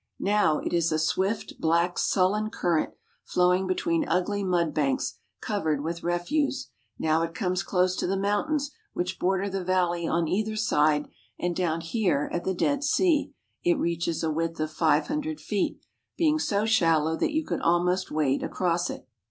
Now it is a swift, black, sullen current flowing between ugly mud banks covered with refuse, now it comes close to the mountains which border the valley on either side, and down here at the Dead Sea it reaches a width of five hundred feet, being so shallow that you could almost wade across it.